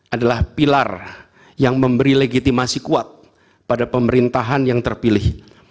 adalah pilar yang memberi legitimasi kuat pada pemerintahan yang terpilih